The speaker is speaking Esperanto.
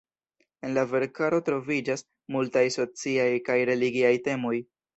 En la verkaro troviĝas multaj sociaj kaj religiaj temoj.